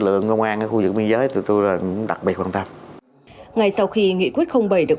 lượng ngôn ngang ở khu vực biên giới từ tôi là đặc biệt quan tâm ngày sau khi nghị quyết bảy được